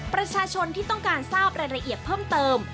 ประชาชนที่ต้องการทราบรายละเอียดเพิ่มเติม